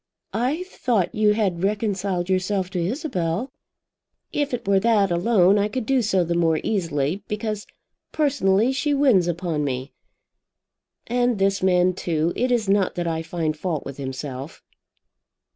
"I thought you had reconciled yourself to Isabel." "If it were that alone I could do so the more easily, because personally she wins upon me. And this man, too; it is not that I find fault with himself."